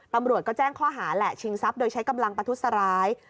ตำรวจก็แจ้งข้อหาแหละชิงทรัพย์โดยใช้กำลังประทุษร้าย